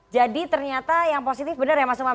jadi ternyata yang positif benar ya mas umam